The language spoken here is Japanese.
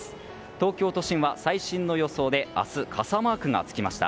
東京都心は最新の予想で明日、傘マークがつきました。